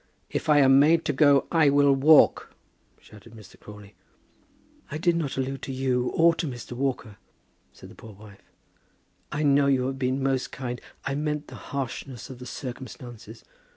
If I am made to go, I will walk," shouted Mr. Crawley. "I did not allude to you, or to Mr. Walker," said the poor wife. "I know you have been most kind. I meant the harshness of the circumstances.